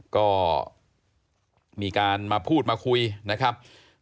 ก็มีการมาพูดมาคุยนะครับ